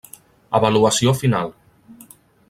Avaluació final: